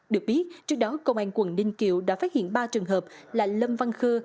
được biết trước đó công an quận ninh kiều đã phát hiện ba trường hợp là lâm văn khơ